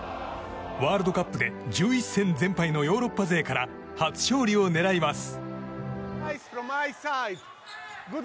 ワールドカップで１１戦全敗のヨーロッパ勢から初勝利を狙います。